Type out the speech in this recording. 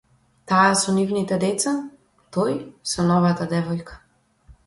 Таа со нивните деца, тој со новата девојка